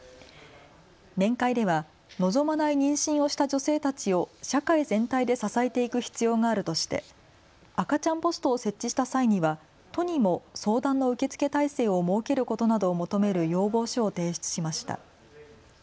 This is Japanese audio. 面会では望まない妊娠をした女性たちを社会全体で支えていく必要があるとして赤ちゃんポストを設置した際には都にも相談の受け付け体制を設けることなどを求める要望書を提出しました。